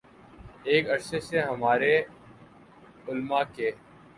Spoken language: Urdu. ایک عرصے سے ہمارے علما کے